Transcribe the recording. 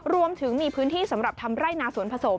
รวมถึงมีพื้นที่สำหรับทำไร่นาสวนผสม